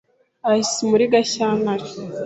ays muri Gashyantare.